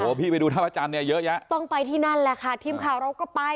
พี่ไปดูท่าพระจันทร์เนี่ยเยอะแยะต้องไปที่นั่นแหละค่ะทีมข่าวเราก็ไป